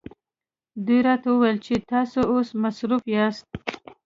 دوی راته وویل چې تاسو اوس مصروفه یاست.